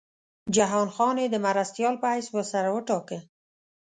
جهان خان یې د مرستیال په حیث ورسره وټاکه.